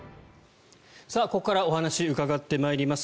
ここからお話を伺ってまいります。